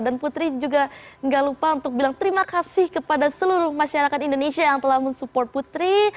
dan putri juga gak lupa untuk bilang terima kasih kepada seluruh masyarakat indonesia yang telah mensupport putri